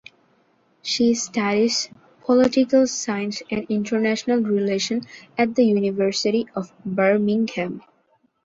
She studies Political Science and International Relations at the University of Birmingham.